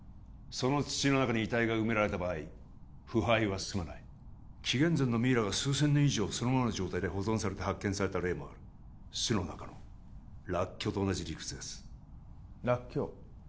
その土の中に遺体が埋められた場合腐敗は進まない紀元前のミイラが数千年以上そのままの状態で保存されて発見された例もある酢の中のらっきょうと同じ理屈ですらっきょう？